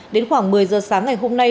đến khoảng một mươi giờ sáng ngày hôm nay